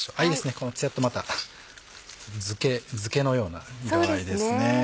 このつやとまた漬けのような色合いですね。